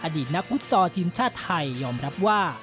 อดีตนักฟุตซอลทีมชาติไทยยอมรับว่า